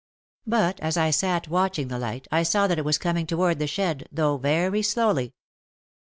But as I sat watching the light I saw that it was coming toward the shed, though very slowly.